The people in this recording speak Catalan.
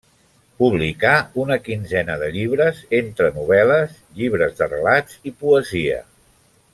Publicà una quinzena de llibres, entre novel·les, llibres de relats i poesia.